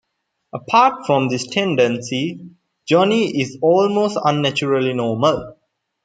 Apart from this tendency Johnny is almost unnaturally normal.